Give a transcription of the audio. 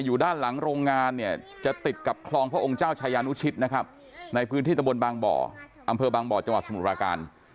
อยู่ด้านหลังโรงงานเนี่ยจะติดกับคลองพระองค์เจ้าชายานุชิตนะครับในพื้นที่ตะบนบางบ่ออำเภอบางบ่อจังหวัดสมุทราการ